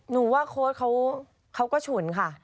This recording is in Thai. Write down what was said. หนูว่าโค้ดเขาก็ฉุนค่ะ